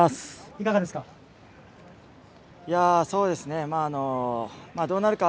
いかがですか？